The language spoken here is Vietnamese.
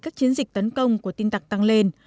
các chiến dịch tấn công của tin tặc tăng lên